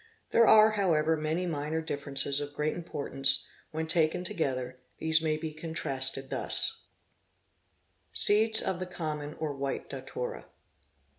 There are however, many minor differences of great importance when taken together; these may be contrasted thus »— Seeds of the Common or White Datura.